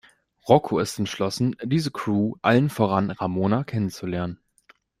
Rocco ist entschlossen, diese Crew, allen voran Ramona, kennenzulernen.